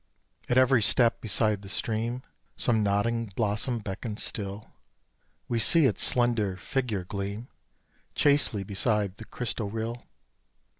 At every step beside the stream, Some nodding blossom beckons still. We see its slender figure gleam Chastely beside the crystal rill.